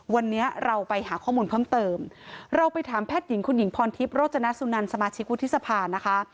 วันนี้เราไปหาข้อมูลเพิ่มเติมเราไปถามแพทย์หญิงคุณหญิงพรทิพย์โรจนสุนันสมาชิกวุฒิสภานะคะ